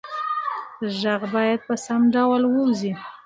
غږ باید په سم ډول ووځي.